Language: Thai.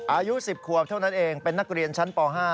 อายุ๑๐ขวบเท่านั้นเองเป็นนักเรียนชั้นป๕